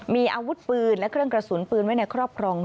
มีอาวุธปืนและเครื่องกระสุนปืนไว้ในครอบครอง